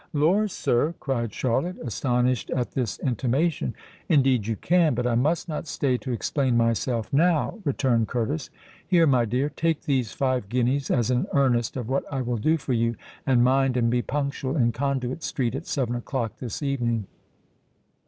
"Lor'! sir," cried Charlotte, astonished at this intimation. "Indeed you can: but I must not stay to explain myself now," returned Curtis. "Here, my dear—take these five guineas as an earnest of what I will do for you; and mind and be punctual in Conduit Street at seven o'clock this evening."